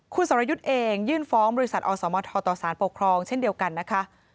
คุณสรยุทธ์เองยื่นฟ้องบริษัทอสมทต่อสารปกครองเช่นเดียวกันนะคะ